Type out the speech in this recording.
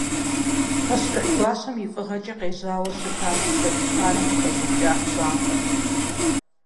Пащтыхь гуащэм и фӀыгъэкӀэ къежьауэ щытащ щэкӀ хъарым къыхэщӀыкӀа пщампӀэхэр.